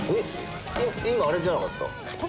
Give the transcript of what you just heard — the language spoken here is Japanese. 今あれじゃなかった？